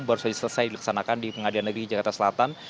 baru saja selesai dilaksanakan di pengadilan negeri jakarta selatan